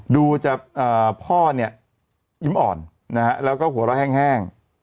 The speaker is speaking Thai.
ดูจากพ่อเนี่ยยิ้มอ่อนนะฮะแล้วก็หัวเราะแห้ง